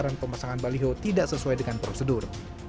karena pemasangan baliho tidak sesuai dengan prosedur